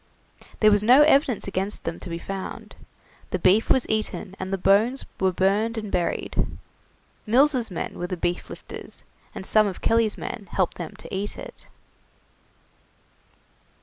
There was no evidence against them to be found; the beef was eaten and the bones were burned and buried. Mills' men were the beef lifters, and some of Kelly's men helped them to eat it.